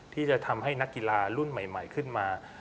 ที่จะทำให้นักกีฬารุ่นใหม่ขึ้นมา